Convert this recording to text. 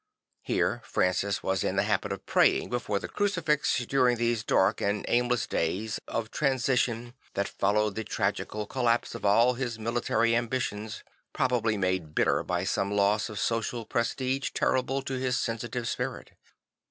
Here Francis was in the habit of praying before the crucifix during these dark and aimless days of 58 Francis the Builder 59 transition that followed the tragical collapse of all his military ambitions, probably made bitter by some loss of social prestige terrible to his sensitive spirit.